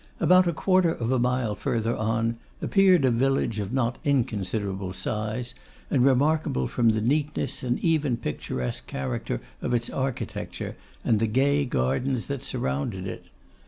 About a quarter of a mile further on, appeared a village of not inconsiderable size, and remarkable from the neatness and even picturesque character of its architecture, and the gay gardens that surrounded it.